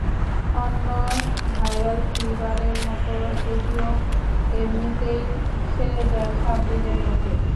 অন্য ভাইরাল ফিভারের মতো এটিও এমনিতেই সেরে যায় সাত দিনের মধ্যে।